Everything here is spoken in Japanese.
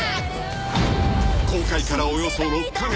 ［公開からおよそ６カ月］